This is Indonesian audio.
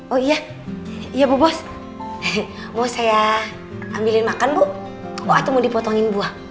oh iya ya bu bos mau saya ambilin makan bu waktu mau dipotongin buah